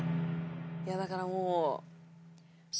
いやだからもう。